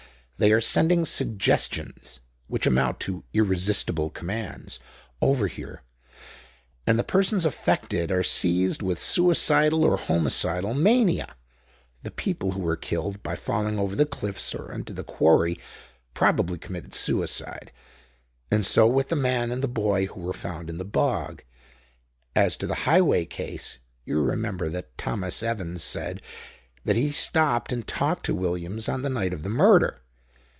They are sending 'suggestions' (which amount to irresistible commands) over here, and the persons affected are seized with suicidal or homicidal mania. The people who were killed by falling over the cliffs or into the quarry probably committed suicide; and so with the man and boy who were found in the bog. As to the Highway case, you remember that Thomas Evans said that he stopped and talked to Williams on the night of the murder.